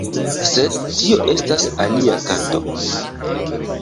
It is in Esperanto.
Sed tio estas alia kanto.